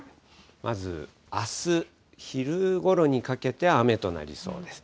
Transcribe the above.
まずあす、昼ごろにかけて雨となりそうです。